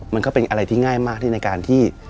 มันก็เป็นอะไรที่ง่ายมากที่ในการที่